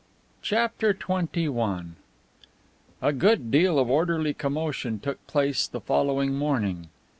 CHAPTER XXI A good deal of orderly commotion took place the following morning.